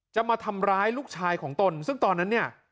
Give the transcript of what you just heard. จะมาทำร้ายลูกชายของตนซึ่งตอนนั้นเนี่ย